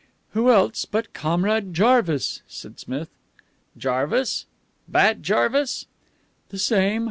"Who else but Comrade Jarvis?" said Smith. "Jarvis? Bat Jarvis?" "The same.